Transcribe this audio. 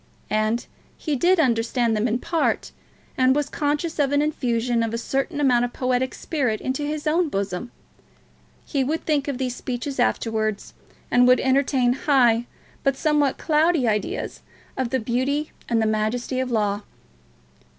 And he did understand them in part, and was conscious of an infusion of a certain amount of poetic spirit into his own bosom. He would think of these speeches afterwards, and would entertain high but somewhat cloudy ideas of the beauty and the majesty of Law.